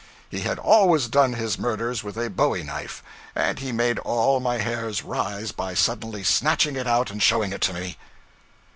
He had always done his murders with a bowie knife, and he made all my hairs rise by suddenly snatching it out and showing it to me.